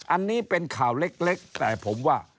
อันนี้เป็นข่าวเล็กแต่ผมว่า